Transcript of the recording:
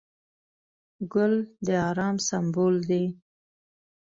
ګل د ارام سمبول دی.